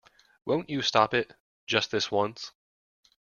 Won't you stop it just this once?